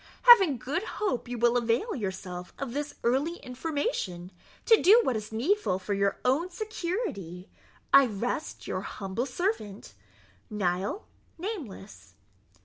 Having good hope you will avail yourself of this early information, to do what is needful for your own security, I rest your humble servant, NIHIL NAMELESS.